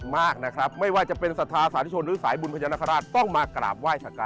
มีประจำครับ